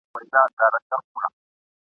په لیدلو یو د بل نه مړېدلو !.